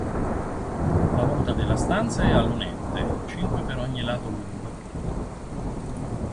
La volta della stanza è a lunette, cinque per ogni lato lungo.